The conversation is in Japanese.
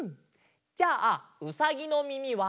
じゃあうさぎのみみは？